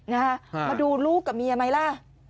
นะฮะมาดูลูกกับเมียไหมล่ะ